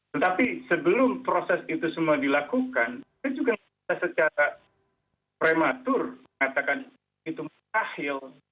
tetapi sebelum proses itu semua dilakukan kita juga secara prematur mengatakan itu mustahil